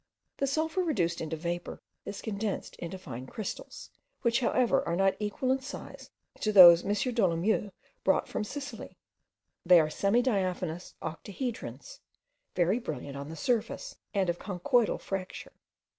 The sulphur reduced into vapour is condensed into fine crystals, which however are not equal in size to those M. Dolomieu brought from Sicily. They are semi diaphanous octahedrons, very brilliant on the surface, and of a conchoidal fracture.